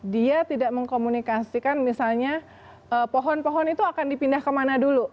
dia tidak mengkomunikasikan misalnya pohon pohon itu akan dipindah kemana dulu